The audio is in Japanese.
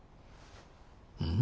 うん？